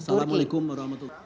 assalamualaikum wr wb